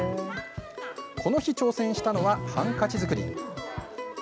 この日、挑戦したのはハンカチ作り。